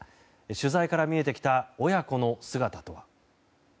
取材から見えてきた親子の姿とは。